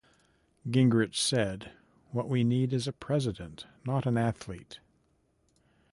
Gingrich said: What we need is a president, not an athlete.